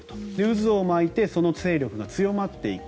渦を巻いてその勢力が強まっていく。